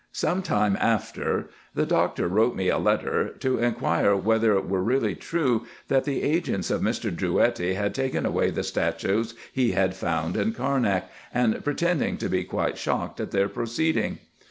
Some time after the Doctor wrote me a letter, to inquire whether it were really true, that the agents of Mr. Drouetti had taken away the statues he had found in Carnak, and pretending to be quite shocked at their proceeding.